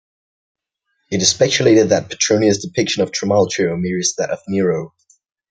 It is speculated that Petronius' depiction of Trimalchio mirrors that of Nero.